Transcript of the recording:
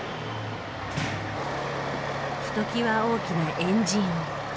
ひときわ大きなエンジン音。